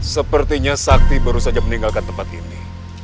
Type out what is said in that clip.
sepertinya sakti baru saja meninggalkan tempat ini